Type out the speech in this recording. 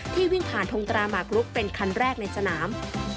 วิ่งผ่านทงตราหมากรุกเป็นคันแรกในสนาม